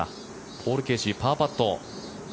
ポール・ケーシーパーパット。